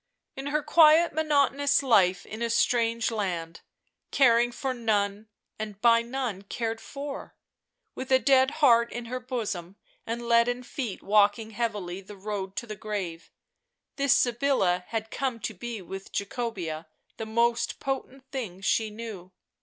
In her quiet monotonous life in a strange land, caring for none, and by none cared for, with a dead heart in her bosom and leaden feet walking heavily the road to the grave, this Sybilla had come to be with Jacobea the most potent thing she knew.